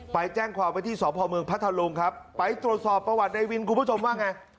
ไปแจ้งความไว้ที่สพเมืองพัทธลุงครับไปตรวจสอบประวัติในวินคุณผู้ชมว่าไง